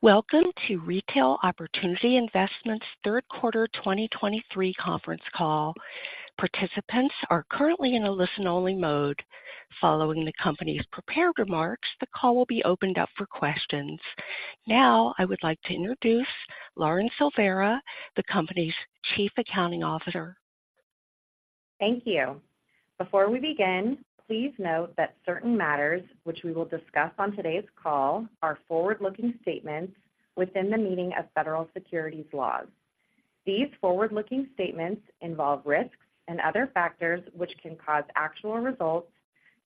Welcome to Retail Opportunity Investments third quarter 2023 conference call. Participants are currently in a listen-only mode. Following the company's prepared remarks, the call will be opened up for questions. Now, I would like to introduce Lauren Silveira, the company's Chief Accounting Officer. Thank you. Before we begin, please note that certain matters which we will discuss on today's call are forward-looking statements within the meaning of federal securities laws. These forward-looking statements involve risks and other factors which can cause actual results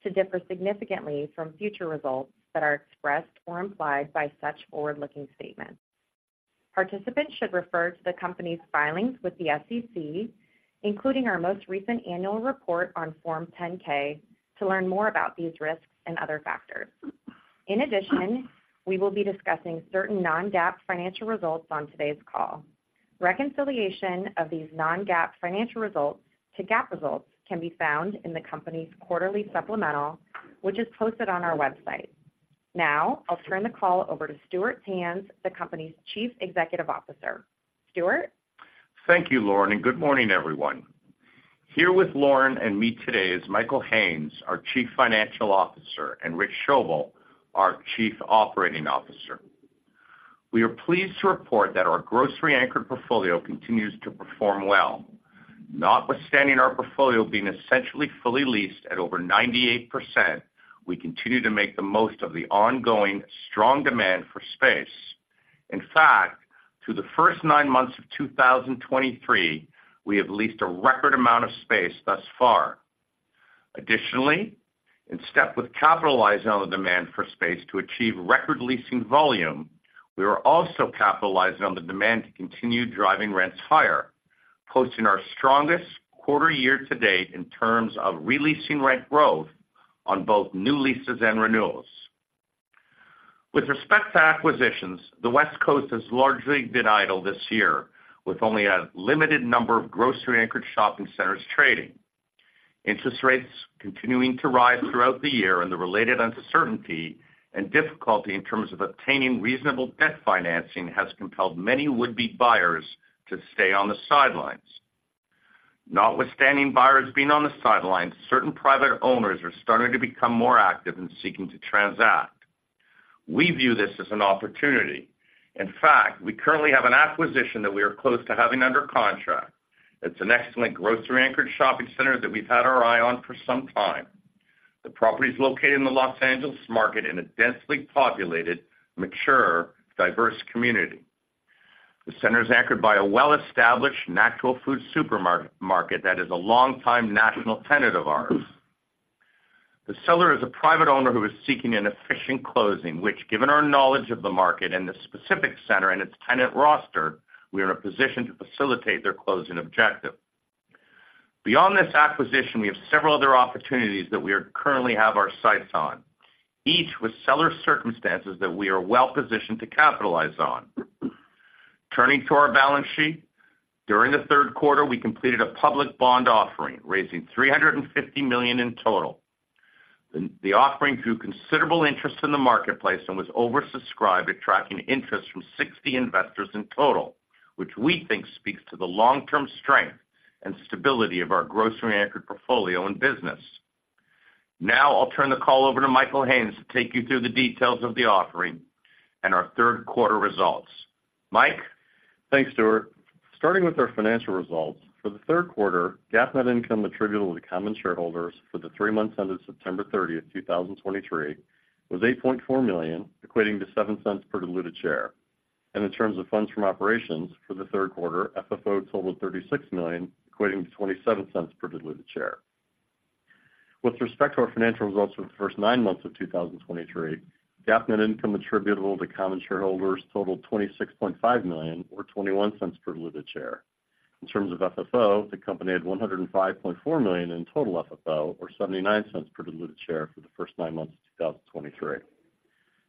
to differ significantly from future results that are expressed or implied by such forward-looking statements. Participants should refer to the company's filings with the SEC, including our most recent annual report on Form 10-K, to learn more about these risks and other factors. In addition, we will be discussing certain non-GAAP financial results on today's call. Reconciliation of these non-GAAP financial results to GAAP results can be found in the company's quarterly supplemental, which is posted on our website. Now, I'll turn the call over to Stuart Tanz, the company's Chief Executive Officer. Stuart? Thank you, Lauren, and good morning, everyone. Here with Lauren and me today is Michael Haines, our Chief Financial Officer, and Rich Schoebel, our Chief Operating Officer. We are pleased to report that our grocery-anchored portfolio continues to perform well. Notwithstanding our portfolio being essentially fully leased at over 98%, we continue to make the most of the ongoing strong demand for space. In fact, through the first nine months of 2023, we have leased a record amount of space thus far. Additionally, in step with capitalizing on the demand for space to achieve record leasing volume, we are also capitalizing on the demand to continue driving rents higher, posting our strongest quarter year to date in terms of re-leasing rent growth on both new leases and renewals. With respect to acquisitions, the West Coast has largely been idle this year, with only a limited number of grocery-anchored shopping centers trading. Interest rates continuing to rise throughout the year and the related uncertainty and difficulty in terms of obtaining reasonable debt financing has compelled many would-be buyers to stay on the sidelines. Notwithstanding buyers being on the sidelines, certain private owners are starting to become more active in seeking to transact. We view this as an opportunity. In fact, we currently have an acquisition that we are close to having under contract. It's an excellent grocery-anchored shopping center that we've had our eye on for some time. The property is located in the Los Angeles market in a densely populated, mature, diverse community. The center is anchored by a well-established natural food supermarket market that is a long-time national tenant of ours. The seller is a private owner who is seeking an efficient closing, which, given our knowledge of the market and the specific center and its tenant roster, we are in a position to facilitate their closing objective. Beyond this acquisition, we have several other opportunities that we currently have our sights on, each with seller circumstances that we are well positioned to capitalize on. Turning to our balance sheet, during the third quarter, we completed a public bond offering, raising $350 million in total. The offering drew considerable interest in the marketplace and was oversubscribed, attracting interest from 60 investors in total, which we think speaks to the long-term strength and stability of our grocery-anchored portfolio and business. Now, I'll turn the call over to Michael Haines to take you through the details of the offering and our third quarter results. Mike? Thanks, Stuart. Starting with our financial results, for the third quarter, GAAP net income attributable to common shareholders for the three months ended September 30th, 2023, was $8.4 million, equating to $0.07 per diluted share. In terms of funds from operations for the third quarter, FFO totaled $36 million, equating to $0.27 per diluted share. With respect to our financial results for the first nine months of 2023, GAAP net income attributable to common shareholders totaled $26.5 million, or $0.21 per diluted share. In terms of FFO, the company had $105.4 million in total FFO, or $0.79 per diluted share for the first nine months of 2023.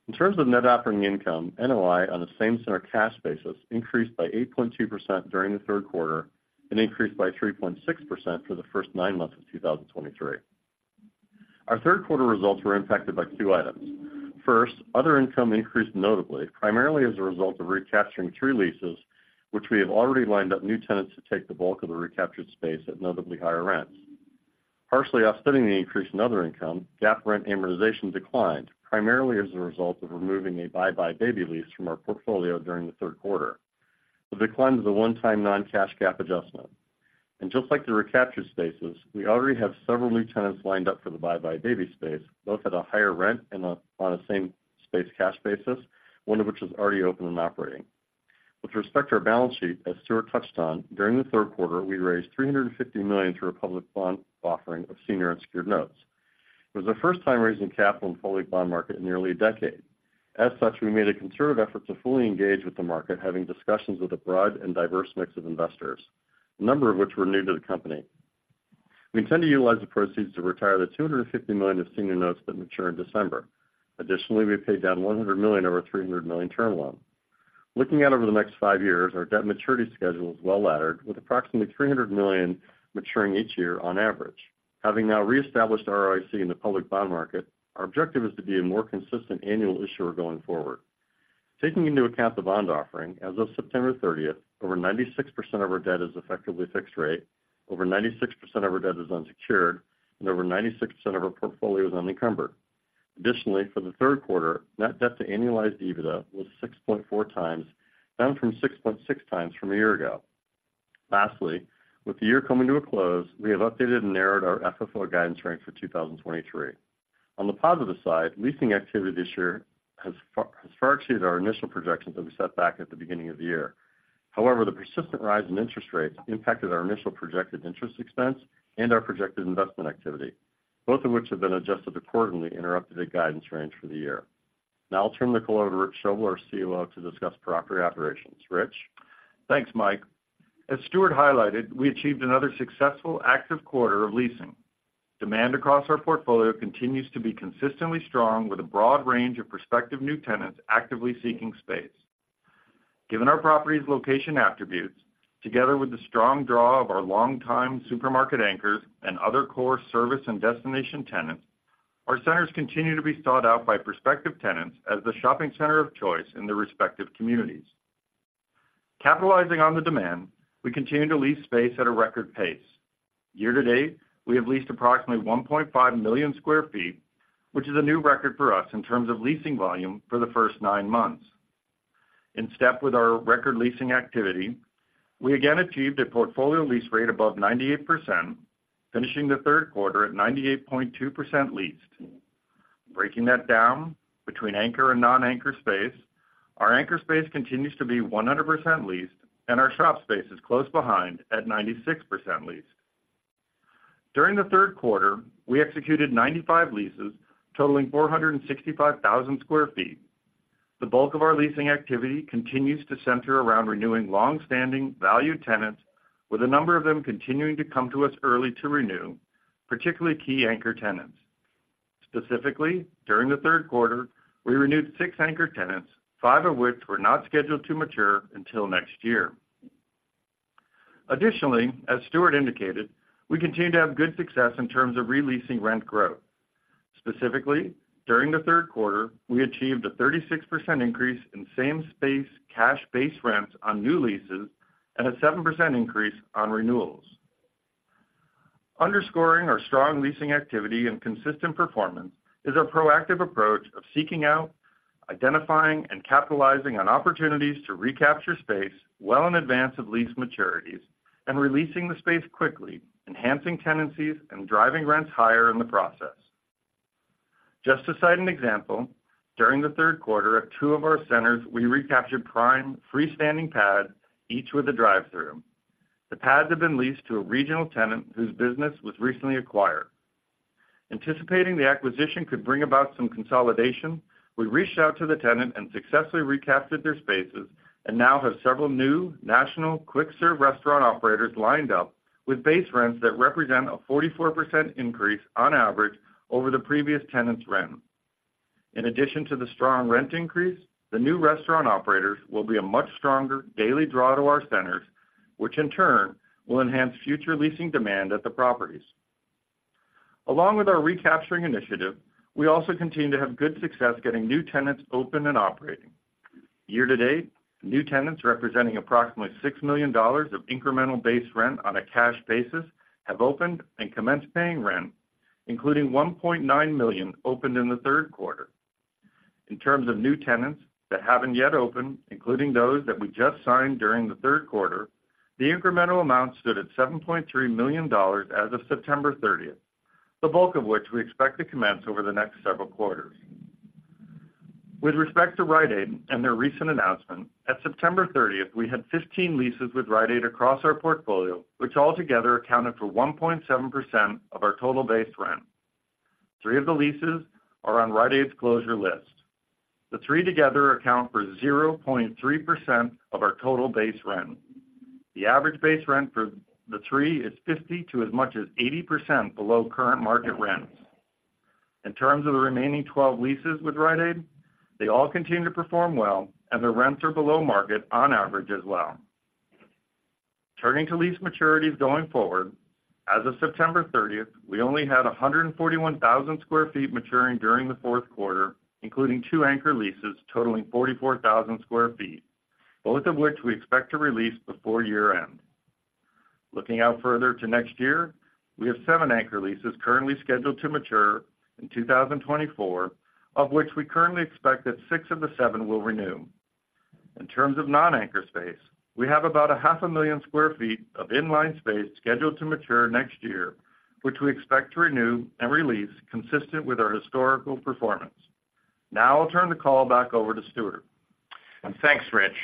In terms of net operating income, NOI, on a same-center cash basis, increased by 8.2% during the third quarter and increased by 3.6% for the first nine months of 2023. Our third quarter results were impacted by two items. First, other income increased notably, primarily as a result of recapturing three leases, which we have already lined up new tenants to take the bulk of the recaptured space at notably higher rents. Partially offsetting the increase in other income, GAAP rent amortization declined, primarily as a result of removing a buybuy BABY lease from our portfolio during the third quarter. The decline is a one-time non-cash GAAP adjustment. Just like the recaptured spaces, we already have several new tenants lined up for the buybuy BABY space, both at a higher rent and on a same-space cash basis, one of which is already open and operating. With respect to our balance sheet, as Stuart touched on, during the third quarter, we raised $350 million through a public bond offering of senior unsecured notes. It was our first time raising capital in the public bond market in nearly a decade. As such, we made a conservative effort to fully engage with the market, having discussions with a broad and diverse mix of investors, a number of which were new to the company. We intend to utilize the proceeds to retire the $250 million of senior notes that mature in December. Additionally, we paid down $100 million over $300 million term loan. Looking out over the next 5 years, our debt maturity schedule is well-laddered, with approximately $300 million maturing each year on average. Having now reestablished our IG in the public bond market, our objective is to be a more consistent annual issuer going forward. Taking into account the bond offering, as of September 30th, over 96% of our debt is effectively fixed rate, over 96% of our debt is unsecured, and over 96% of our portfolio is unencumbered. Additionally, for the third quarter, net debt to annualized EBITDA was 6.4x, down from 6.6x from a year ago. Lastly, with the year coming to a close, we have updated and narrowed our FFO guidance range for 2023. On the positive side, leasing activity this year has far exceeded our initial projections that we set back at the beginning of the year. However, the persistent rise in interest rates impacted our initial projected interest expense and our projected investment activity, both of which have been adjusted accordingly in our updated guidance range for the year. Now I'll turn the call over to Rich Schoebel, our COO, to discuss property operations. Rich? Thanks, Mike. As Stuart highlighted, we achieved another successful active quarter of leasing. Demand across our portfolio continues to be consistently strong, with a broad range of prospective new tenants actively seeking space. Given our property's location attributes, together with the strong draw of our longtime supermarket anchors and other core service and destination tenants, our centers continue to be sought out by prospective tenants as the shopping center of choice in their respective communities. Capitalizing on the demand, we continue to lease space at a record pace. Year to date, we have leased approximately 1.5 million sq ft, which is a new record for us in terms of leasing volume for the first nine months. In step with our record leasing activity, we again achieved a portfolio lease rate above 98%, finishing the third quarter at 98.2% leased. Breaking that down between anchor and non-anchor space, our anchor space continues to be 100% leased, and our shop space is close behind at 96% leased. During the third quarter, we executed 95 leases, totaling 465,000 sq ft. The bulk of our leasing activity continues to center around renewing long-standing, valued tenants, with a number of them continuing to come to us early to renew, particularly key anchor tenants. Specifically, during the third quarter, we renewed six anchor tenants, five of which were not scheduled to mature until next year. Additionally, as Stuart indicated, we continue to have good success in terms of re-leasing rent growth. Specifically, during the third quarter, we achieved a 36% increase in same-space cash base rents on new leases and a 7% increase on renewals. Underscoring our strong leasing activity and consistent performance is our proactive approach of seeking out, identifying, and capitalizing on opportunities to recapture space well in advance of lease maturities and re-leasing the space quickly, enhancing tenancies and driving rents higher in the process. Just to cite an example, during the third quarter, at two of our centers, we recaptured prime freestanding pads, each with a drive-thru. The pads have been leased to a regional tenant whose business was recently acquired. Anticipating the acquisition could bring about some consolidation, we reached out to the tenant and successfully recaptured their spaces and now have several new national quick-serve restaurant operators lined up with base rents that represent a 44% increase on average over the previous tenant's rent. In addition to the strong rent increase, the new restaurant operators will be a much stronger daily draw to our centers, which in turn will enhance future leasing demand at the properties. Along with our recapturing initiative, we also continue to have good success getting new tenants open and operating. Year to date, new tenants representing approximately $6 million of incremental base rent on a cash basis have opened and commenced paying rent, including $1.9 million opened in the third quarter. In terms of new tenants that haven't yet opened, including those that we just signed during the third quarter, the incremental amount stood at $7.3 million as of September thirtieth, the bulk of which we expect to commence over the next several quarters. With respect to Rite Aid and their recent announcement, at September 30th, we had 15 leases with Rite Aid across our portfolio, which altogether accounted for 1.7% of our total base rent. Three of the leases are on Rite Aid's closure list. The three together account for 0.3% of our total base rent. The average base rent for the three is 50% to as much as 80% below current market rents. In terms of the remaining 12 leases with Rite Aid, they all continue to perform well, and their rents are below market on average as well. Turning to lease maturities going forward, as of September 30th, we only had 141,000 sq ft maturing during the fourth quarter, including two anchor leases totaling 44,000 sq ft, both of which we expect to re-lease before year-end. Looking out further to next year, we have 7 anchor leases currently scheduled to mature in 2024, of which we currently expect that 6 of the 7 will renew. In terms of non-anchor space, we have about 500,000 sq ft of inline space scheduled to mature next year, which we expect to renew and re-lease consistent with our historical performance. Now I'll turn the call back over to Stuart. Thanks, Rich.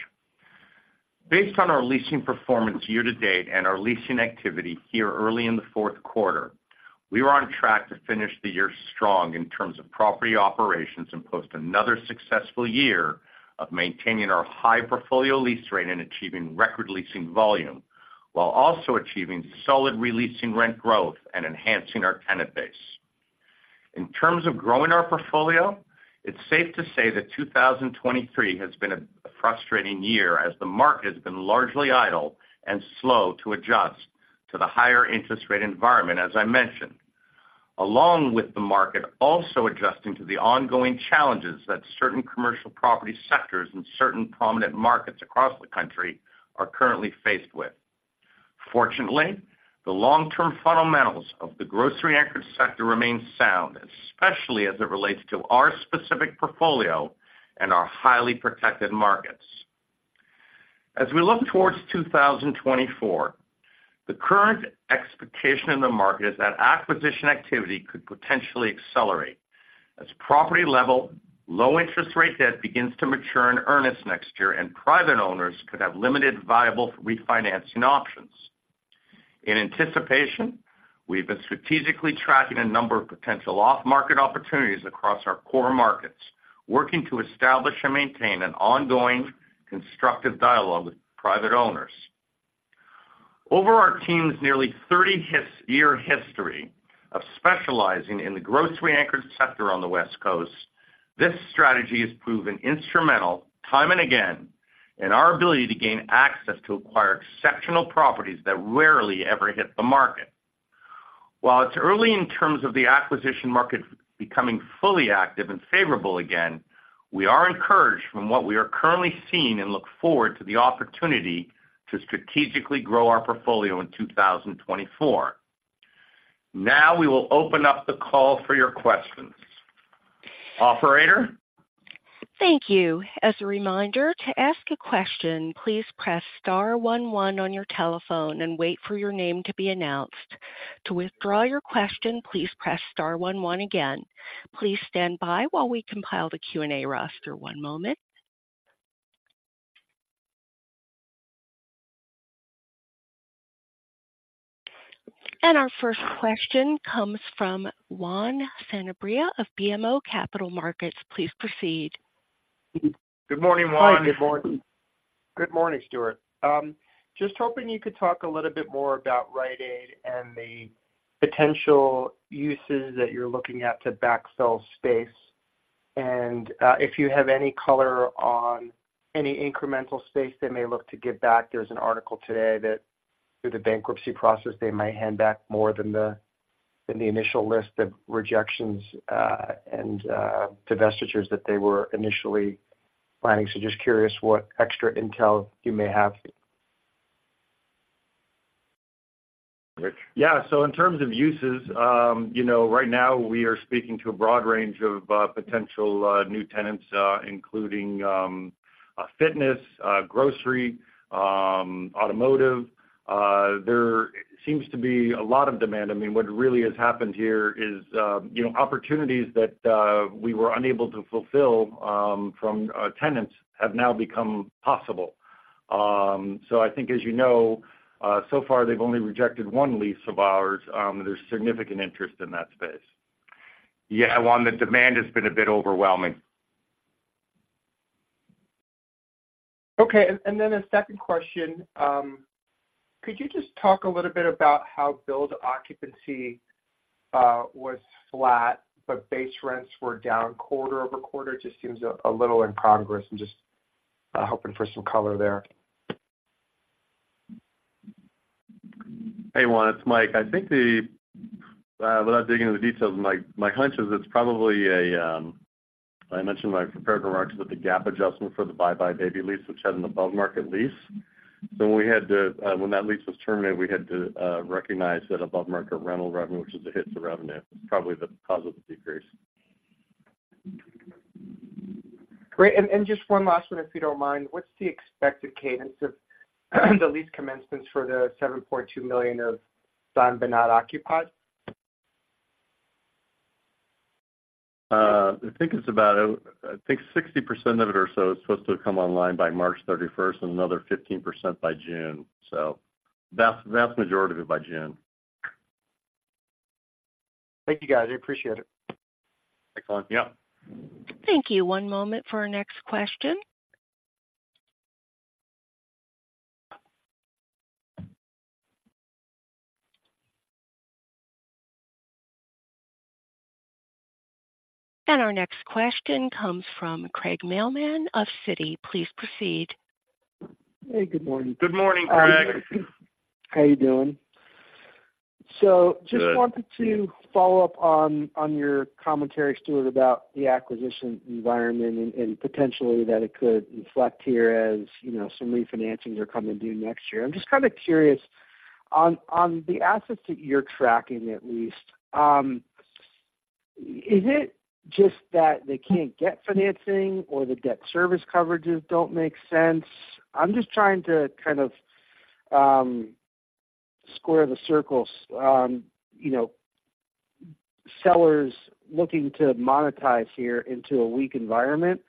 Based on our leasing performance year to date and our leasing activity here early in the fourth quarter, we are on track to finish the year strong in terms of property operations and post another successful year of maintaining our high portfolio lease rate and achieving record leasing volume, while also achieving solid re-leasing rent growth and enhancing our tenant base. In terms of growing our portfolio, it's safe to say that 2023 has been a frustrating year as the market has been largely idle and slow to adjust to the higher interest rate environment, as I mentioned. Along with the market also adjusting to the ongoing challenges that certain commercial property sectors and certain prominent markets across the country are currently faced with. Fortunately, the long-term fundamentals of the grocery-anchored sector remain sound, especially as it relates to our specific portfolio and our highly protected markets. As we look towards 2024, the current expectation in the market is that acquisition activity could potentially accelerate as property-level, low interest rate debt begins to mature in earnest next year, and private owners could have limited viable refinancing options. In anticipation, we've been strategically tracking a number of potential off-market opportunities across our core markets, working to establish and maintain an ongoing, constructive dialogue with private owners. Over our team's nearly thirty-year history of specializing in the grocery-anchored sector on the West Coast, this strategy has proven instrumental time and again, in our ability to gain access to acquire exceptional properties that rarely ever hit the market. While it's early in terms of the acquisition market becoming fully active and favorable again, we are encouraged from what we are currently seeing and look forward to the opportunity to strategically grow our portfolio in 2024. Now, we will open up the call for your questions. Operator? Thank you. As a reminder, to ask a question, please press star one one on your telephone and wait for your name to be announced. To withdraw your question, please press star one one again. Please stand by while we compile the Q&A roster. One moment. And our first question comes from Juan Sanabria of BMO Capital Markets. Please proceed. Good morning, Juan. Hi, good morning. Good morning, Stuart. Just hoping you could talk a little bit more about Rite Aid and the potential uses that you're looking at to backfill space, and, if you have any color on any incremental space they may look to give back. There's an article today that through the bankruptcy process, they might hand back more than the initial list of rejections, and divestitures that they were initially planning. So just curious what extra intel you may have? Yeah, so in terms of uses, you know, right now we are speaking to a broad range of potential new tenants, including fitness, grocery, automotive. There seems to be a lot of demand. I mean, what really has happened here is, you know, opportunities that we were unable to fulfill from tenants have now become possible. So I think, as you know, so far, they've only rejected one lease of ours. There's significant interest in that space. Yeah, Juan, the demand has been a bit overwhelming. Okay. And then a second question. Could you just talk a little bit about how blended occupancy was flat, but base rents were down quarter-over-quarter? Just seems a little incongruous. I'm just hoping for some color there. Hey, Juan, it's Mike. I think the-- without digging into the details, my, my hunch is it's probably a, I mentioned in my prepared remarks about the gap adjustment for the buybuy BABY lease, which had an above-market lease. So when we had to, when that lease was terminated, we had to, recognize that above-market rental revenue, which is a hit to revenue, it's probably the cause of the decrease. Great. And just one last one, if you don't mind. What's the expected cadence of the lease commencements for the $7.2 million of signed but not occupied? I think it's about, I think 60% of it or so is supposed to come online by March 31st and another 15% by June. So vast, vast majority of it by June. Thank you, guys. I appreciate it. Thanks, Juan. Thank you. One moment for our next question. Our next question comes from Craig Mailman of Citi. Please proceed. Hey, good morning. Good morning, Craig. How are you doing? Good. Just wanted to follow up on your commentary, Stuart, about the acquisition environment and potentially that it could reflect here as, you know, some refinancings are coming due next year. I'm just kind of curious, on the assets that you're tracking, at least, is it just that they can't get financing or the debt service coverages don't make sense? I'm just trying to kind of square the circles. You know, sellers looking to monetize here into a weak environment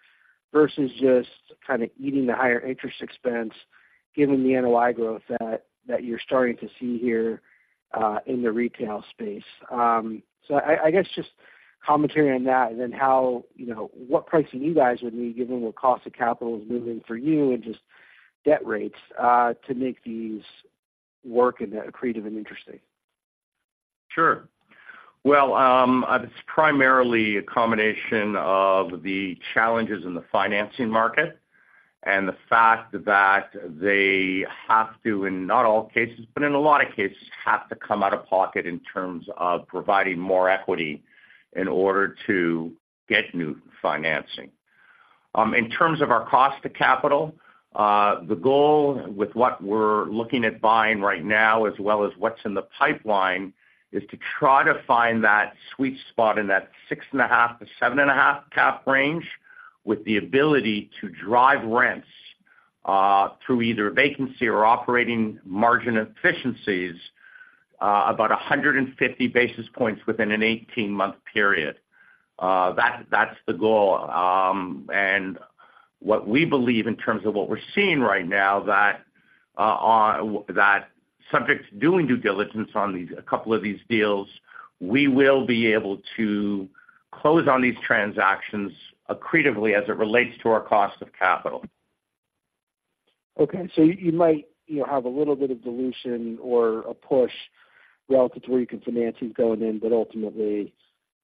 versus just kind of eating the higher interest expense, given the NOI growth that you're starting to see here in the retail space. So I guess, just commentary on that and then how, you know, what pricing you guys would need given where cost of capital is moving for you and just debt rates to make these work and accretive and interesting? Sure. Well, it's primarily a combination of the challenges in the financing market and the fact that they have to, in not all cases, but in a lot of cases, have to come out of pocket in terms of providing more equity in order to get new financing. In terms of our cost to capital, the goal with what we're looking at buying right now, as well as what's in the pipeline, is to try to find that sweet spot in that 6.5-7.5 cap range, with the ability to drive rents, through either vacancy or operating margin efficiencies, about 150 basis points within an 18-month period. That, that's the goal. And what we believe in terms of what we're seeing right now, that subject to doing due diligence on these, a couple of these deals, we will be able to close on these transactions accretively as it relates to our cost of capital. Okay. So you, you might, you know, have a little bit of dilution or a push relative to where you can finance these going in, but ultimately,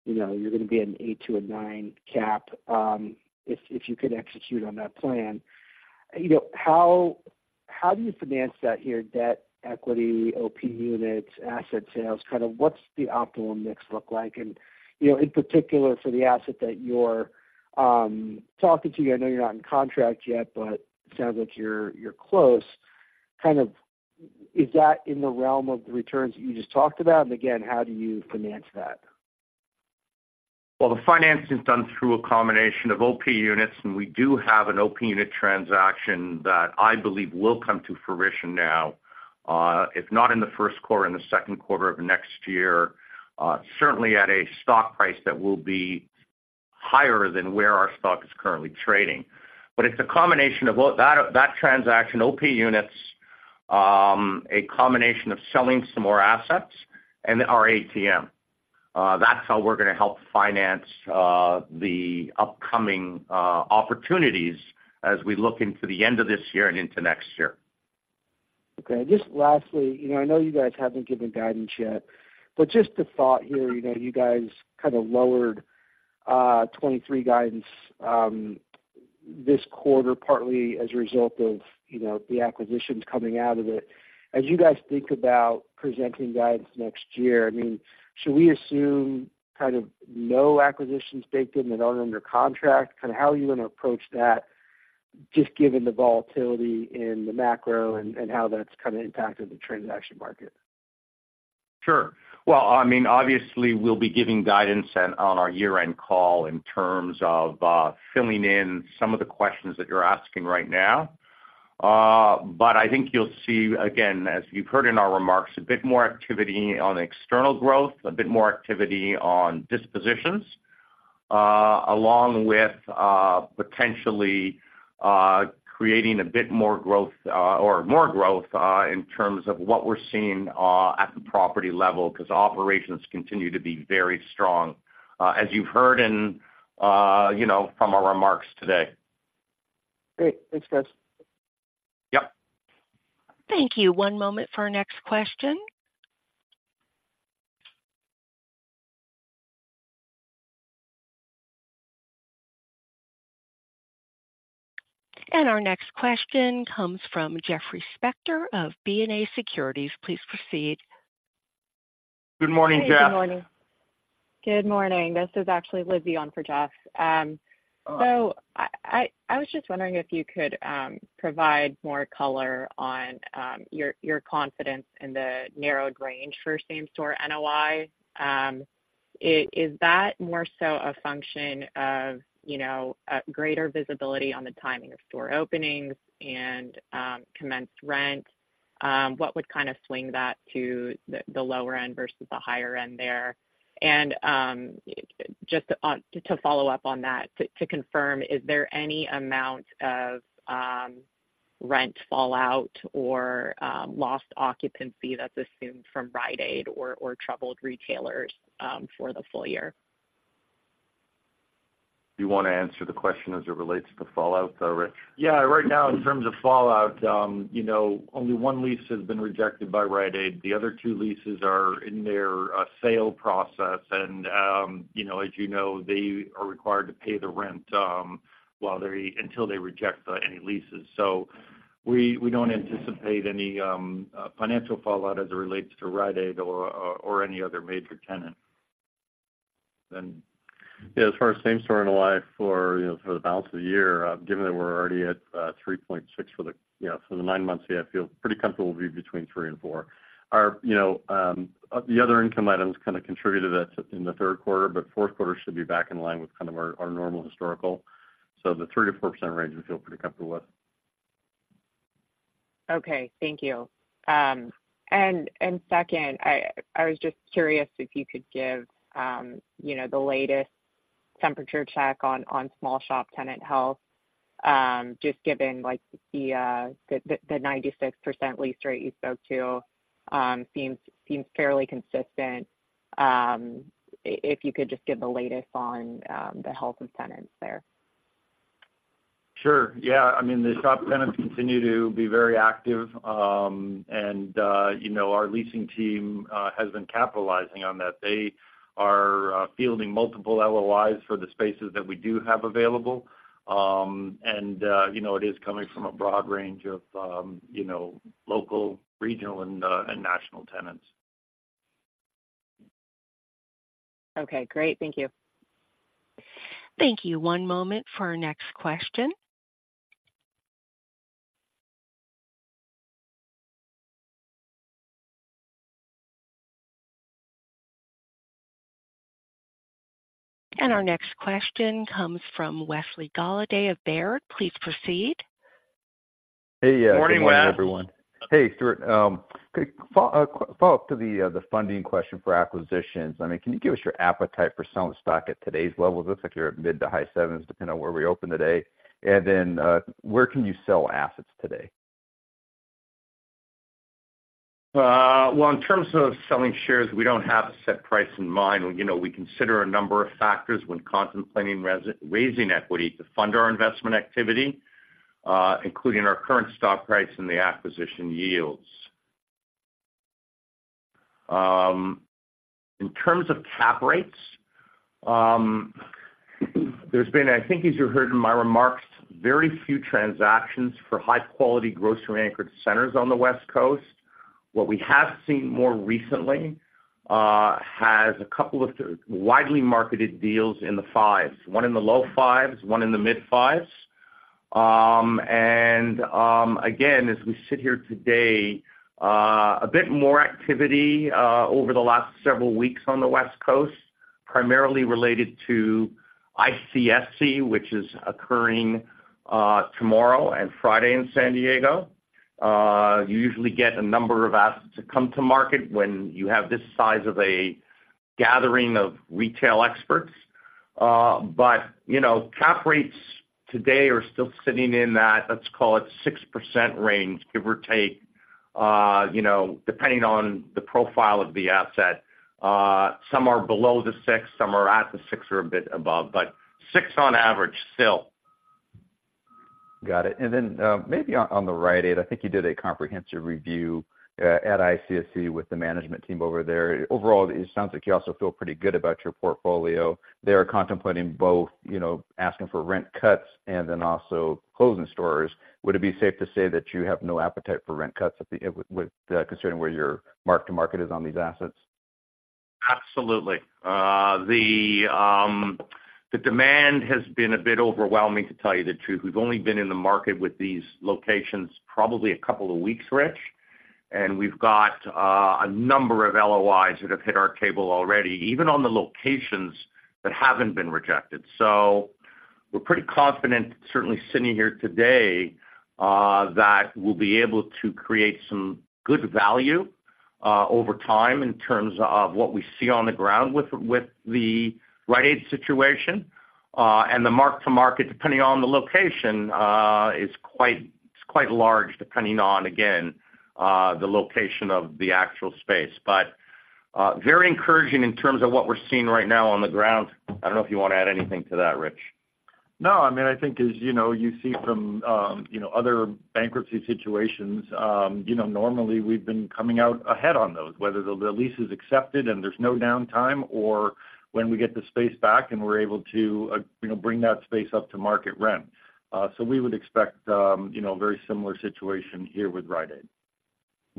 you know, you're gonna be an 8-9 cap, if, if you can execute on that plan. You know, how, how do you finance that here? Debt, equity, OP units, asset sales, kind of what's the optimum mix look like? And, you know, in particular, for the asset that you're talking to, I know you're not in contract yet, but it sounds like you're, you're close. Kind of, is that in the realm of the returns that you just talked about? And again, how do you finance that? Well, the financing is done through a combination of OP Units, and we do have an OP unit transaction that I believe will come to fruition now, if not in the first quarter, in the second quarter of next year. Certainly at a stock price that will be higher than where our stock is currently trading. But it's a combination of both. That transaction, OP units, a combination of selling some more assets and our ATM. That's how we're gonna help finance the upcoming opportunities as we look into the end of this year and into next year. Okay. Just lastly, you know, I know you guys haven't given guidance yet, but just a thought here, you know, you guys kind of lowered 2023 guidance this quarter, partly as a result of, you know, the acquisitions coming out of it. As you guys think about presenting guidance next year, I mean, should we assume kind of no acquisitions baked in that aren't under contract? Kind of how are you going to approach that, just given the volatility in the macro and, and how that's kind of impacted the transaction market? Sure. Well, I mean, obviously, we'll be giving guidance on our year-end call in terms of filling in some of the questions that you're asking right now. But I think you'll see, again, as you've heard in our remarks, a bit more activity on external growth, a bit more activity on dispositions, along with potentially creating a bit more growth, or more growth, in terms of what we're seeing at the property level, because operations continue to be very strong, as you've heard in, you know, from our remarks today. Great. Thanks, guys. Yep. Thank you. One moment for our next question. Our next question comes from Jeffrey Spector of BofA Securities. Please proceed. Good morning, Jeff. Good morning. Good morning. This is actually Lizzie on for Jeff. So I was just wondering if you could provide more color on your confidence in the narrowed range for same-store NOI. Is that more so a function of, you know, greater visibility on the timing of store openings and commenced rent? What would kind of swing that to the lower end versus the higher end there? And just on to follow up on that, to confirm, is there any amount of rent fallout or lost occupancy that's assumed from Rite Aid or troubled retailers for the full year? Do you want to answer the question as it relates to fallout, though, Rich? Yeah. Right now, in terms of fallout, you know, only one lease has been rejected by Rite Aid. The other two leases are in their sale process. And, you know, as you know, they are required to pay the rent while they until they reject any leases. So we don't anticipate any financial fallout as it relates to Rite Aid or any other major tenant. Yeah, as far as same-store NOI for, you know, for the balance of the year, given that we're already at, three point six for the, you know, for the nine months, yeah, I feel pretty comfortable between three and four. Our, you know, the other income items kind of contribute to that in the third quarter, but fourth quarter should be back in line with kind of our, our normal historical. So the three to four percent range we feel pretty comfortable with. Okay. Thank you. And second, I was just curious if you could give, you know, the latest temperature check on small shop tenant health, just given, like, the 96% lease rate you spoke to, seems fairly consistent. If you could just give the latest on the health of tenants there.... Sure. Yeah, I mean, the shop tenants continue to be very active, and, you know, our leasing team has been capitalizing on that. They are fielding multiple LOIs for the spaces that we do have available. And, you know, it is coming from a broad range of, you know, local, regional, and national tenants. Okay, great. Thank you. Thank you. One moment for our next question. Our next question comes from Wesley Golladay of Baird. Please proceed. Hey, yeah- Morning, Wes. Good morning, everyone. Hey, Stuart, could follow up to the funding question for acquisitions. I mean, can you give us your appetite for selling stock at today's level? It looks like you're at mid to high sevens, depending on where we open today. And then, where can you sell assets today? Well, in terms of selling shares, we don't have a set price in mind. You know, we consider a number of factors when contemplating raising equity to fund our investment activity, including our current stock price and the acquisition yields. In terms of cap rates, there's been, I think as you heard in my remarks, very few transactions for high-quality grocery anchored centers on the West Coast. What we have seen more recently has a couple of widely marketed deals in the 5s, one in the low 5s, one in the mid 5s. And, again, as we sit here today, a bit more activity over the last several weeks on the West Coast, primarily related to ICSC, which is occurring tomorrow and Friday in San Diego. You usually get a number of assets that come to market when you have this size of a gathering of retail experts. But, you know, cap rates today are still sitting in that, let's call it 6% range, give or take, you know, depending on the profile of the asset. Some are below the 6%, some are at the 6% or a bit above, but 6% on average, still. Got it. And then, maybe on the Rite Aid, I think you did a comprehensive review at ICSC with the management team over there. Overall, it sounds like you also feel pretty good about your portfolio. They are contemplating both, you know, asking for rent cuts and then also closing stores. Would it be safe to say that you have no appetite for rent cuts at the, with considering where your mark to market is on these assets? Absolutely. The demand has been a bit overwhelming, to tell you the truth. We've only been in the market with these locations probably a couple of weeks, Rich, and we've got a number of LOIs that have hit our table already, even on the locations that haven't been rejected. So we're pretty confident, certainly sitting here today, that we'll be able to create some good value over time in terms of what we see on the ground with the Rite Aid situation. And the mark to market, depending on the location, is quite, it's quite large, depending on, again, the location of the actual space. But very encouraging in terms of what we're seeing right now on the ground. I don't know if you want to add anything to that, Rich. No, I mean, I think as you know, you see from, you know, other bankruptcy situations, you know, normally we've been coming out ahead on those, whether the lease is accepted and there's no downtime or when we get the space back and we're able to, you know, bring that space up to market rent. So we would expect, you know, a very similar situation here with Rite Aid.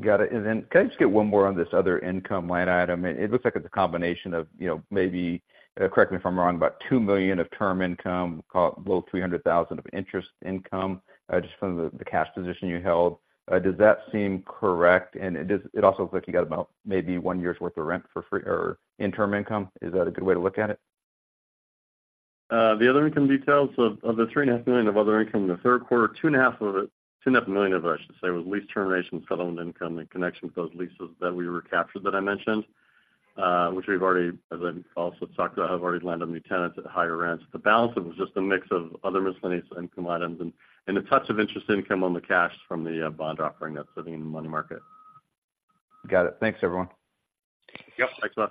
Got it. Then can I just get one more on this other income line item? It looks like it's a combination of, you know, maybe, correct me if I'm wrong, about $2 million of term income, call it low $300,000 of interest income, just from the cash position you held. Does that seem correct? And it does—it also looks like you got about maybe one year's worth of rent for free or interim income. Is that a good way to look at it? The other income details of $3.5 million of other income in the third quarter, $2.5 of it, $2.5 million of it, I should say, was lease termination settlement income in connection with those leases that we recaptured that I mentioned, which we've already, as I also talked about, have already landed on new tenants at higher rents. The balance of it was just a mix of other miscellaneous income items and a touch of interest income on the cash from the bond offering that's sitting in the money market. Got it. Thanks, everyone. Yep. Thanks, Wes.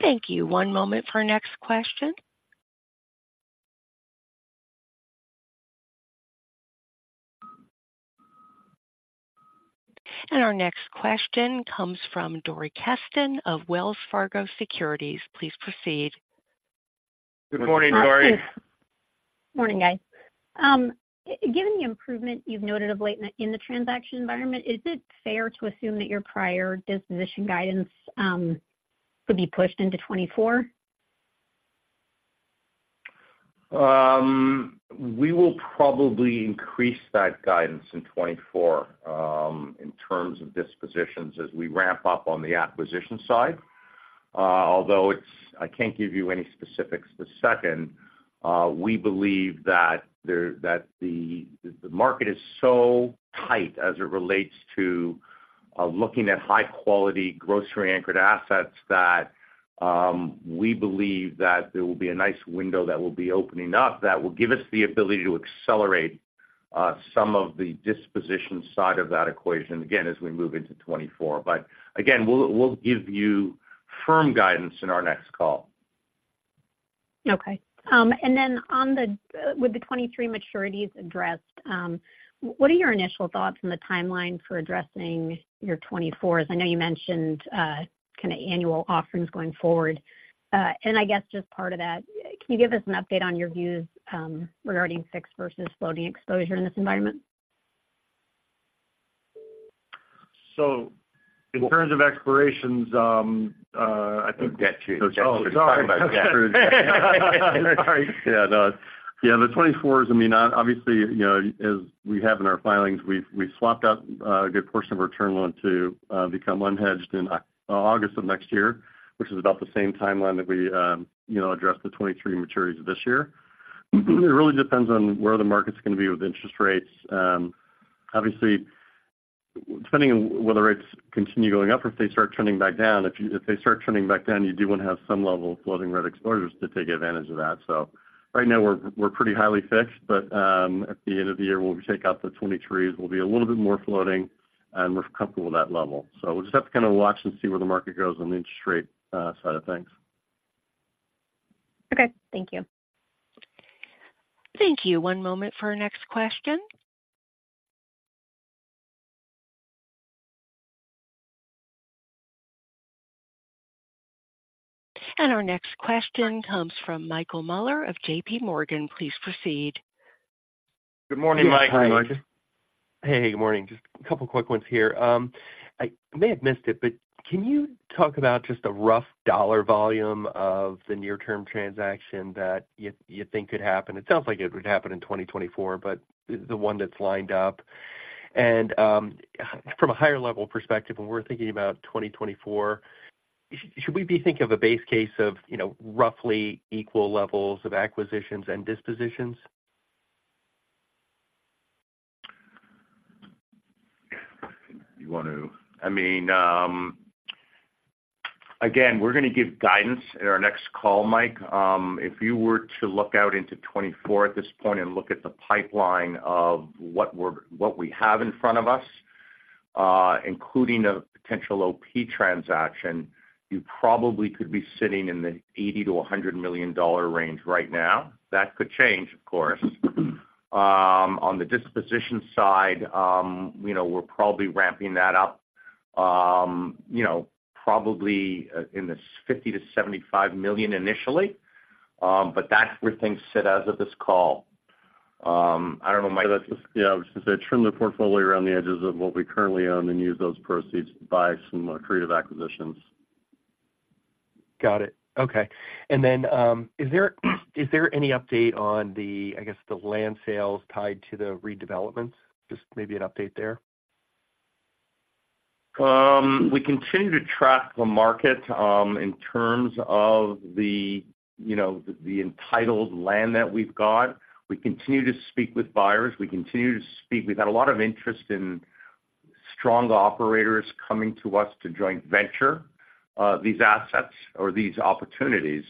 Thank you. One moment for our next question. Our next question comes from Dori Kesten of Wells Fargo Securities. Please proceed. Good morning, Dori. Morning, guys. Given the improvement you've noted of late in the transaction environment, is it fair to assume that your prior disposition guidance could be pushed into 2024? We will probably increase that guidance in 2024, in terms of dispositions as we ramp up on the acquisition side. Although it's, I can't give you any specifics this second, we believe that the market is so tight as it relates to looking at high-quality, grocery-anchored assets, that we believe that there will be a nice window that will be opening up that will give us the ability to accelerate some of the disposition side of that equation, again, as we move into 2024. But again, we'll give you firm guidance in our next call. Okay. And then on the, with the 2023 maturities addressed, what are your initial thoughts on the timeline for addressing your 2024s? I know you mentioned, kind of annual offerings going forward. And I guess just part of that, can you give us an update on your views, regarding fixed versus floating exposure in this environment? In terms of expirations, I think- Debt too. Oh, sorry about that. Yeah, no. Yeah, the 2024s, I mean, obviously, you know, as we have in our filings, we've swapped out a good portion of our term loan to become unhedged in August of next year, which is about the same timeline that we, you know, addressed the 2023 maturities this year. It really depends on where the market's going to be with interest rates. Obviously, depending on whether rates continue going up or if they start trending back down, if they start trending back down, you do want to have some level of floating rate exposures to take advantage of that. So right now, we're pretty highly fixed, but at the end of the year, when we take out the 2023s, we'll be a little bit more floating, and we're comfortable with that level. We'll just have to kind of watch and see where the market goes on the interest rate side of things. Okay, thank you. Thank you. One moment for our next question. Our next question comes from Michael Mueller of JPMorgan. Please proceed. Good morning, Mike. Hey, Michael. Hey, good morning. Just a couple quick ones here. I may have missed it, but can you talk about just a rough dollar volume of the near-term transaction that you think could happen? It sounds like it would happen in 2024, but the one that's lined up. And from a higher level perspective, when we're thinking about 2024, should we be thinking of a base case of, you know, roughly equal levels of acquisitions and dispositions? I mean, again, we're going to give guidance in our next call, Mike. If you were to look out into 2024 at this point and look at the pipeline of what we have in front of us, including a potential OP transaction, you probably could be sitting in the $80 million-$100 million range right now. That could change, of course. On the disposition side, you know, we're probably ramping that up, you know, probably in the $50 million-$75 million initially, but that's where things sit as of this call. I don't know, Mike. Yeah, I was going to say, trim the portfolio around the edges of what we currently own and use those proceeds to buy some accretive acquisitions. Got it. Okay. And then, is there, is there any update on the, I guess, the land sales tied to the redevelopments? Just maybe an update there. We continue to track the market in terms of the, you know, the entitled land that we've got. We continue to speak with buyers. We continue to speak. We've had a lot of interest in strong operators coming to us to joint venture these assets or these opportunities.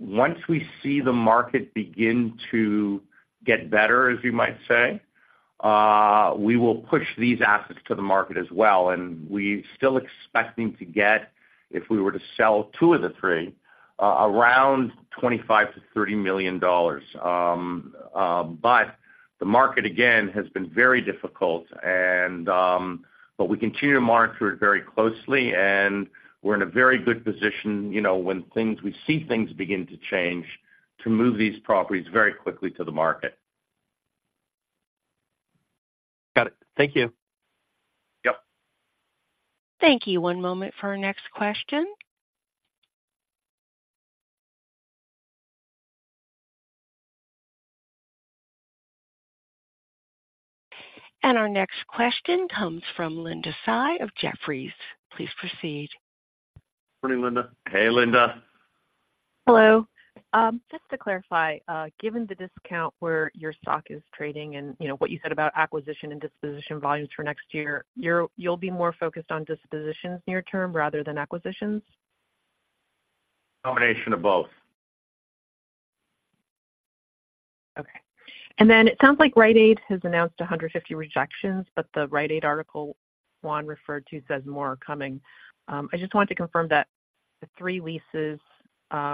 Once we see the market begin to get better, as you might say, we will push these assets to the market as well, and we're still expecting to get, if we were to sell two of the three, around $25 million-$30 million. But the market, again, has been very difficult and, but we continue to monitor it very closely, and we're in a very good position, you know, when things, we see things begin to change, to move these properties very quickly to the market. Got it. Thank you. Yep. Thank you. One moment for our next question. Our next question comes from Linda Tsai of Jefferies. Please proceed. Morning, Linda. Hey, Linda. Hello. Just to clarify, given the discount where your stock is trading and, you know, what you said about acquisition and disposition volumes for next year, you'll be more focused on dispositions near term rather than acquisitions? Combination of both. Okay. Then it sounds like Rite Aid has announced 150 rejections, but the Rite Aid article Juan referred to says more are coming. I just wanted to confirm that the three leases are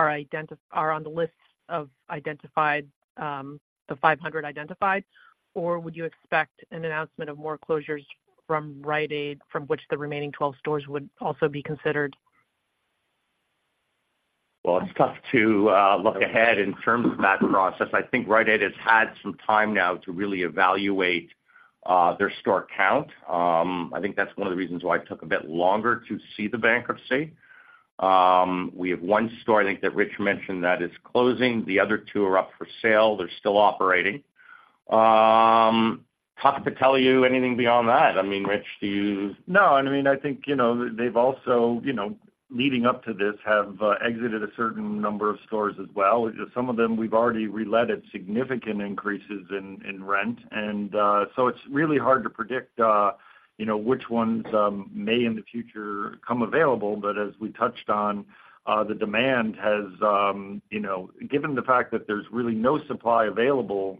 on the list of identified, the 500 identified, or would you expect an announcement of more closures from Rite Aid, from which the remaining 12 stores would also be considered? Well, it's tough to look ahead in terms of that process. I think Rite Aid has had some time now to really evaluate their store count. I think that's one of the reasons why it took a bit longer to see the bankruptcy. We have one store, I think, that Rich mentioned, that is closing. The other two are up for sale. They're still operating. Tough to tell you anything beyond that. I mean, Rich, do you...? No, and I mean, I think, you know, they've also, you know, leading up to this, have exited a certain number of stores as well. Some of them, we've already reletted significant increases in rent. And so it's really hard to predict, you know, which ones may, in the future, come available. But as we touched on, the demand has, you know, given the fact that there's really no supply available,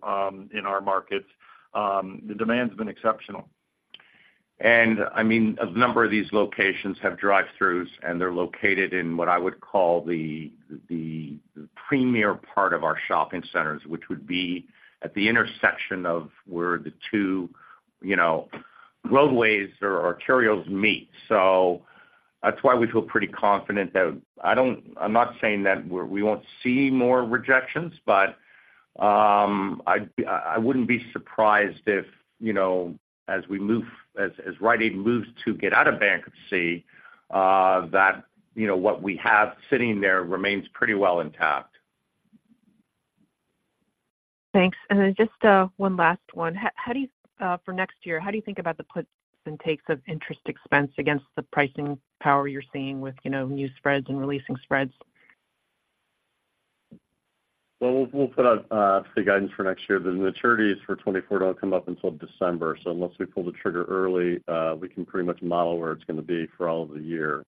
in our markets, the demand's been exceptional. ... And I mean, a number of these locations have drive-throughs, and they're located in what I would call the premier part of our shopping centers, which would be at the intersection of where the two, you know, roadways or arterials meet. So that's why we feel pretty confident that I don't. I'm not saying that we're we won't see more rejections, but I'd, I wouldn't be surprised if, you know, as Rite Aid moves to get out of bankruptcy, that, you know, what we have sitting there remains pretty well intact. Thanks. And then just, one last one. How, how do you, for next year, how do you think about the puts and takes of interest expense against the pricing power you're seeing with, you know, new spreads and releasing spreads? Well, we'll, we'll put out the guidance for next year. The maturities for 2024 don't come up until December, so unless we pull the trigger early, we can pretty much model where it's going to be for all of the year.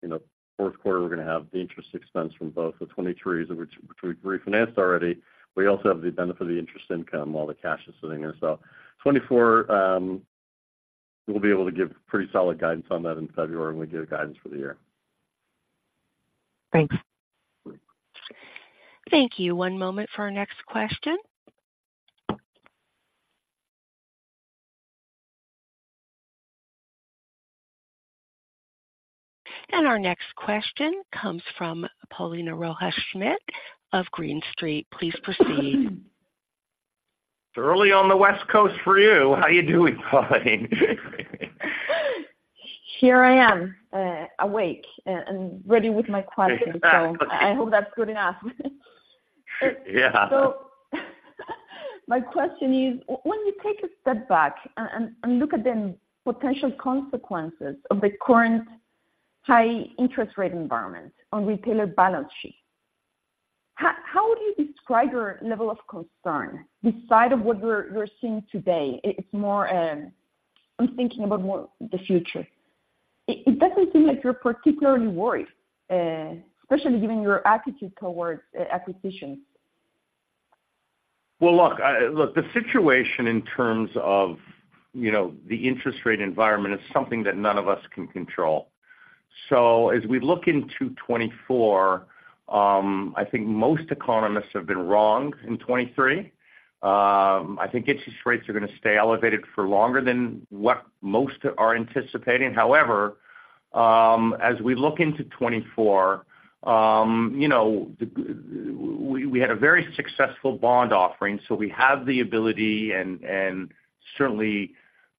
You know, fourth quarter, we're going to have the interest expense from both the 2023s, which, which we've refinanced already. We also have the benefit of the interest income, all the cash is sitting there. So 2024, we'll be able to give pretty solid guidance on that in February when we give guidance for the year. Thanks. Thank you. One moment for our next question. Our next question comes from Paulina Rojas Schmidt of Green Street. Please proceed. It's early on the West Coast for you. How are you doing, Paulie? Here I am, awake and ready with my question. Exactly. I hope that's good enough. Yeah. So my question is, when you take a step back and look at the potential consequences of the current high interest rate environment on retailer balance sheet, how would you describe your level of concern besides what we're seeing today? It's more, I'm thinking about more the future. It doesn't seem like you're particularly worried, especially given your attitude towards acquisitions. Well, look, the situation in terms of, you know, the interest rate environment is something that none of us can control. So as we look into 2024, I think most economists have been wrong in 2023. I think interest rates are going to stay elevated for longer than what most are anticipating. However, as we look into 2024, you know, we had a very successful bond offering, so we have the ability and certainly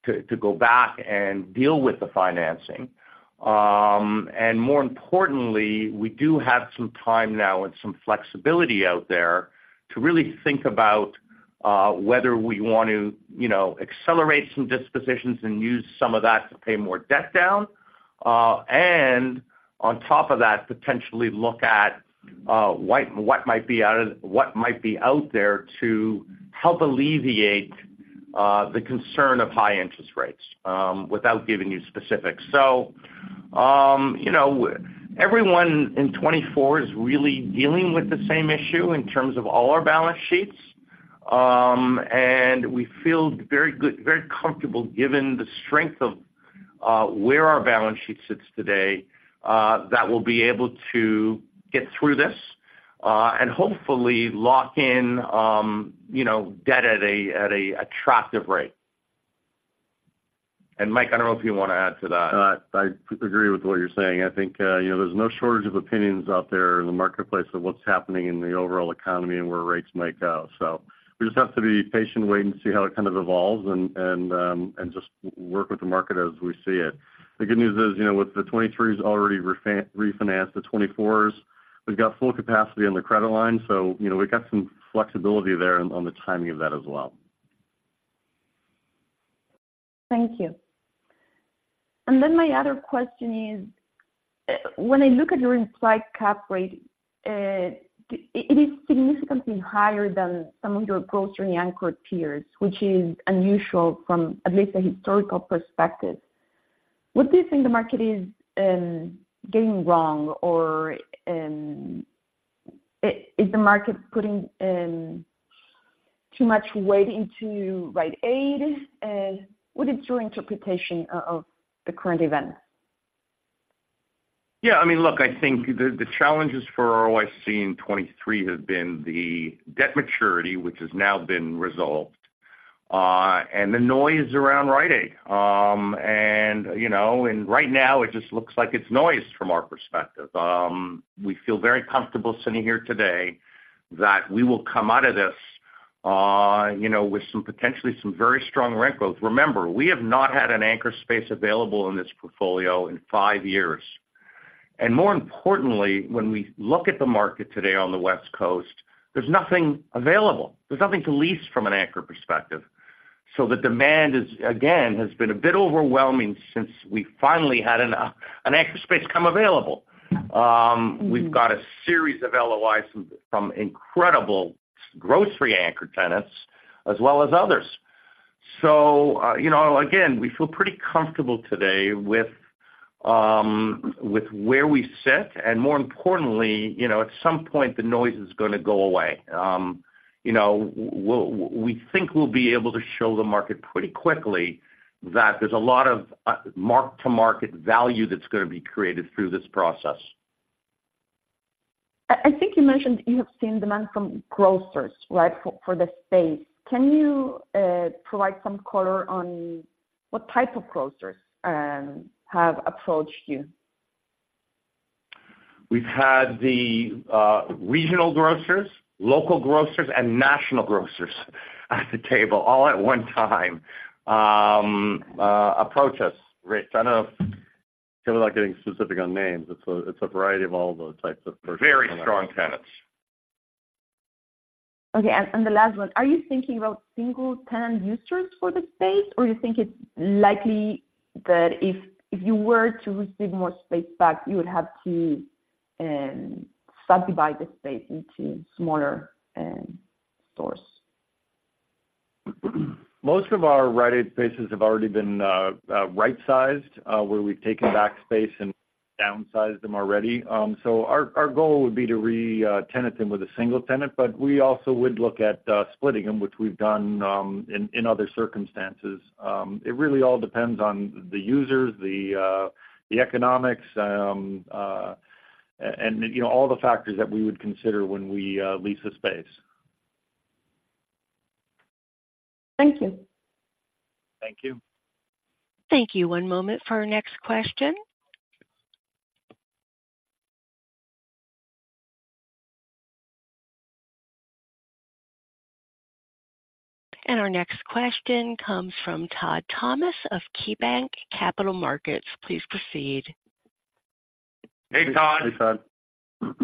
to go back and deal with the financing. And more importantly, we do have some time now and some flexibility out there to really think about whether we want to, you know, accelerate some dispositions and use some of that to pay more debt down. And on top of that, potentially look at what might be out there to help alleviate the concern of high interest rates, without giving you specifics. So, you know, everyone in 2024 is really dealing with the same issue in terms of all our balance sheets. And we feel very good, very comfortable, given the strength of where our balance sheet sits today, that we'll be able to get through this, and hopefully lock in, you know, debt at an attractive rate. And, Mike, I don't know if you want to add to that. I agree with what you're saying. I think, you know, there's no shortage of opinions out there in the marketplace of what's happening in the overall economy and where rates might go. So we just have to be patient and wait and see how it kind of evolves and just work with the market as we see it. The good news is, you know, with the 2023s already refinanced, the 2024s, we've got full capacity on the credit line, so, you know, we've got some flexibility there on the timing of that as well. Thank you. My other question is, when I look at your implied cap rate, it is significantly higher than some of your grocery anchor peers, which is unusual from at least a historical perspective. What do you think the market is getting wrong or, is the market putting too much weight into Rite Aid? What is your interpretation of the current event? Yeah, I mean, look, I think the challenges for ROIC in 2023 have been the debt maturity, which has now been resolved, and the noise around Rite Aid. And, you know, right now it just looks like it's noise from our perspective. We feel very comfortable sitting here today that we will come out of this, you know, with some potentially some very strong rent growth. Remember, we have not had an anchor space available in this portfolio in 5 years. And more importantly, when we look at the market today on the West Coast, there's nothing available. There's nothing to lease from an anchor perspective. So the demand is, again, has been a bit overwhelming since we finally had an anchor space come available. We've got a series of LOIs from incredible grocery anchor tenants as well as others. So, you know, again, we feel pretty comfortable today with where we sit, and more importantly, you know, at some point, the noise is going to go away. You know, we think we'll be able to show the market pretty quickly that there's a lot of mark-to-market value that's going to be created through this process. I think you mentioned you have seen demand from grocers, right? For the space. Can you provide some color on what type of grocers have approached you? We've had the regional grocers, local grocers, and national grocers at the table, all at one time, approach us, Rich. I don't know if we're not getting specific on names. It's a, it's a variety of all those types of- Very strong tenants. Okay, and the last one, are you thinking about single tenant users for the space, or you think it's likely that if you were to receive more space back, you would have to subdivide the space into smaller stores? Most of our Rite Aid spaces have already been right-sized, where we've taken back space and downsized them already. Our goal would be to re-tenant them with a single tenant, but we also would look at splitting them, which we've done in other circumstances. It really all depends on the users, the economics, and you know all the factors that we would consider when we lease a space. Thank you. Thank you. Thank you. One moment for our next question. Our next question comes from Todd Thomas of KeyBanc Capital Markets. Please proceed. Hey, Todd. Hey, Todd.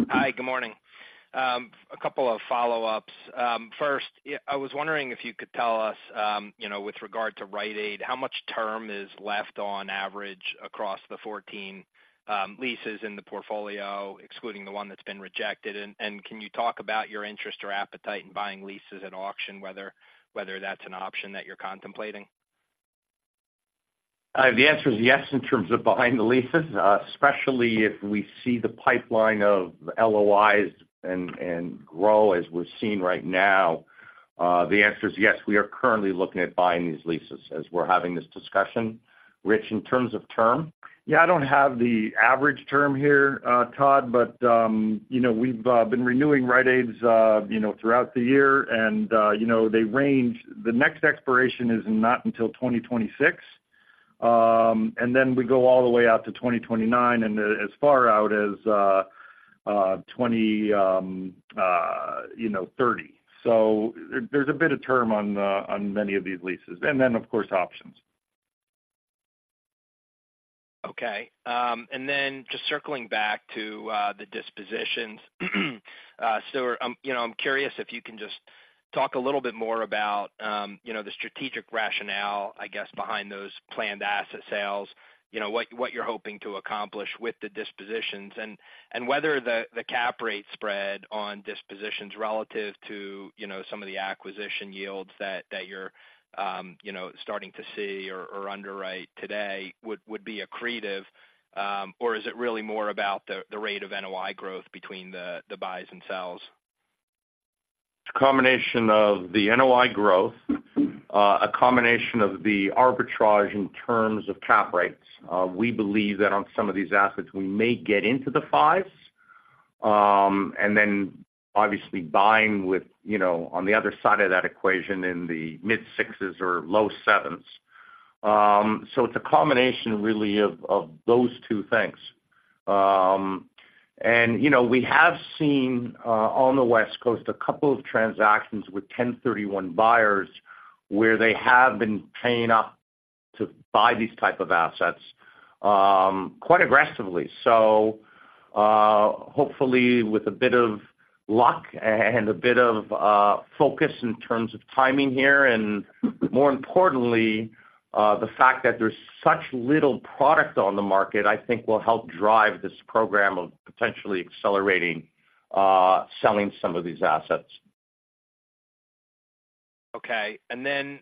Hi, good morning. A couple of follow-ups. First, I was wondering if you could tell us, you know, with regard to Rite Aid, how much term is left on average across the 14 leases in the portfolio, excluding the one that's been rejected? And can you talk about your interest or appetite in buying leases at auction, whether that's an option that you're contemplating? The answer is yes, in terms of behind the leases, especially if we see the pipeline of LOIs and grow as we're seeing right now. The answer is yes. We are currently looking at buying these leases as we're having this discussion. Rich, in terms of term? Yeah, I don't have the average term here, Todd, but, you know, we've been renewing Rite Aids, you know, throughout the year, and, you know, they range. The next expiration is not until 2026. And then we go all the way out to 2029, and, as far out as, twenty, you know, 2030. So there's a bit of term on, on many of these leases, and then, of course, options. Okay, and then just circling back to the dispositions. So I'm, you know, I'm curious if you can just talk a little bit more about, you know, the strategic rationale, I guess, behind those planned asset sales, you know, what, what you're hoping to accomplish with the dispositions, and whether the cap rate spread on dispositions relative to, you know, some of the acquisition yields that you're, you know, starting to see or underwrite today, would be accretive, or is it really more about the rate of NOI growth between the buys and sells? It's a combination of the NOI growth, a combination of the arbitrage in terms of cap rates. We believe that on some of these assets, we may get into the 5s, and then obviously buying with, you know, on the other side of that equation in the mid-6s or low-7s. So it's a combination really of those two things. And, you know, we have seen on the West Coast, a couple of transactions with 1031 buyers, where they have been paying up to buy these type of assets quite aggressively. So, hopefully, with a bit of luck and a bit of focus in terms of timing here, and more importantly, the fact that there's such little product on the market, I think will help drive this program of potentially accelerating selling some of these assets. Okay. And then,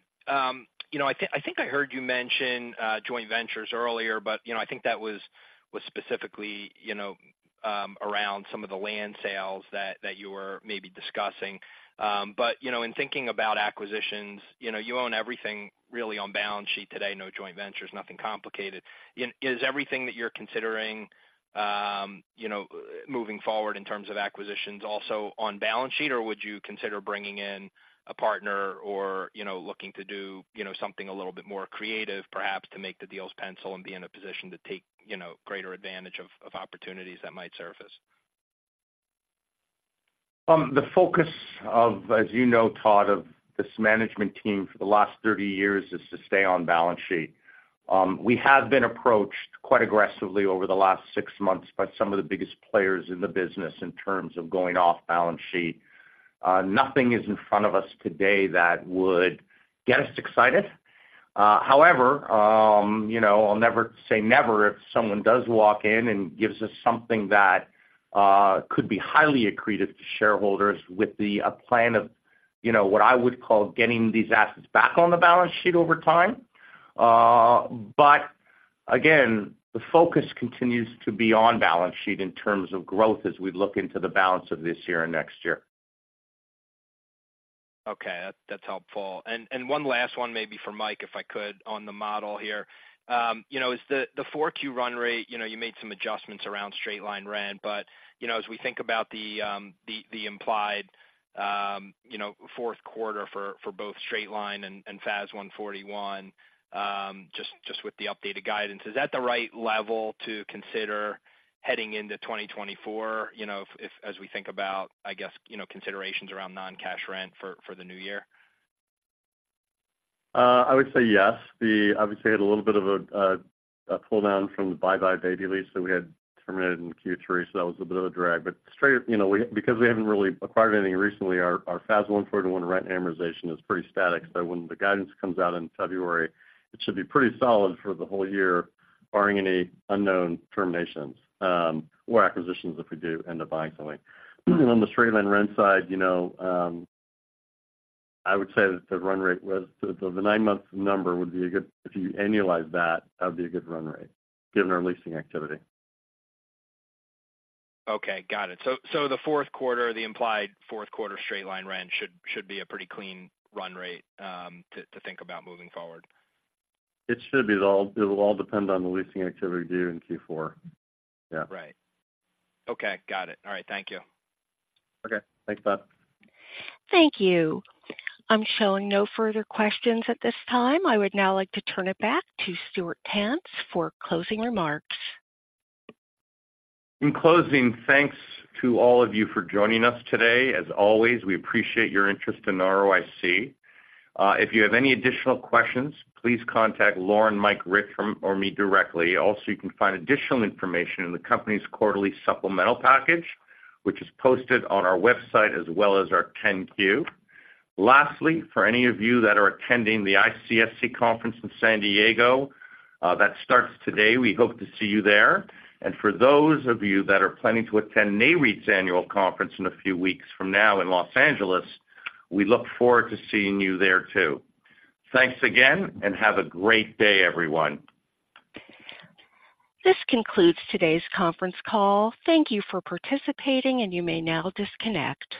you know, I think I heard you mention joint ventures earlier, but, you know, I think that was specifically, you know, around some of the land sales that you were maybe discussing. But, you know, in thinking about acquisitions, you know, you own everything really on balance sheet today, no joint ventures, nothing complicated. Is everything that you're considering, you know, moving forward in terms of acquisitions also on balance sheet, or would you consider bringing in a partner or, you know, looking to do, you know, something a little bit more creative, perhaps, to make the deals pencil and be in a position to take, you know, greater advantage of opportunities that might surface? The focus, as you know, Todd, of this management team for the last 30 years, is to stay on balance sheet. We have been approached quite aggressively over the last 6 months by some of the biggest players in the business in terms of going off balance sheet. Nothing is in front of us today that would get us excited. However, you know, I'll never say never, if someone does walk in and gives us something that could be highly accretive to shareholders with a plan of, you know, what I would call getting these assets back on the balance sheet over time. But again, the focus continues to be on balance sheet in terms of growth as we look into the balance of this year and next year. Okay, that's helpful. And one last one, maybe for Mike, if I could, on the model here. You know, is the 4Q run rate, you know, you made some adjustments around straight-line rent, but, you know, as we think about the implied, you know, fourth quarter for both straight line and FAS 141, just with the updated guidance, is that the right level to consider heading into 2024? You know, if as we think about, I guess, you know, considerations around non-cash rent for the new year. I would say yes. The obviously had a little bit of a pull-down from the buybuy BABY lease that we had terminated in Q3, so that was a bit of a drag. But straight, you know, we because we haven't really acquired anything recently, our FAS 141 rent amortization is pretty static. So when the guidance comes out in February, it should be pretty solid for the whole year, barring any unknown terminations or acquisitions, if we do end up buying something. On the straight-line rent side, you know, I would say that the run rate was the nine-month number would be a good if you annualize that, that would be a good run rate, given our leasing activity. Okay, got it. So the fourth quarter, the implied fourth quarter straight-line rent should be a pretty clean run rate to think about moving forward? It should be. It'll all depend on the leasing activity we do in Q4. Yeah. Right. Okay. Got it. All right. Thank you. Okay. Thanks, Todd. Thank you. I'm showing no further questions at this time. I would now like to turn it back to Stuart Tanz for closing remarks. In closing, thanks to all of you for joining us today. As always, we appreciate your interest in ROIC. If you have any additional questions, please contact Lauren, Mike, Rich, or me directly. Also, you can find additional information in the company's quarterly supplemental package, which is posted on our website, as well as our 10-Q. Lastly, for any of you that are attending the ICSC conference in San Diego, that starts today, we hope to see you there. For those of you that are planning to attend NAREIT's annual conference in a few weeks from now in Los Angeles, we look forward to seeing you there, too. Thanks again, and have a great day, everyone. This concludes today's conference call. Thank you for participating, and you may now disconnect.